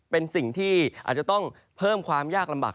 เป็นสิ่งที่อาจจะต้องเพิ่มความยากลำบาก